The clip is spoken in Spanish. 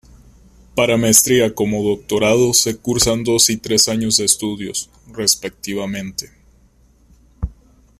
Para Maestría como Doctorado se cursan dos y tres años de estudios, respectivamente.